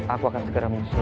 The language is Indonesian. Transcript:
aku akan segera menyusul